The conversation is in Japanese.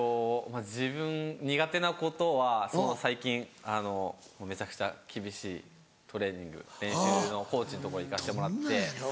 自分苦手なことは最近めちゃくちゃ厳しいトレーニング練習のコーチのところ行かせてもらって。